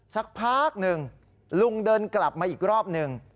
สักพักหนึ่งลุงเดินกลับมาอีกรอบหนึ่ง